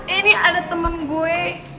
ini ada temen gue